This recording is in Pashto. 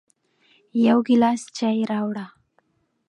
يو ګیلاس چای راوړه